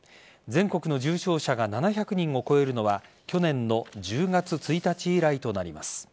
全国の重症者が７００人を超えるのは去年の１０月１日以来となります。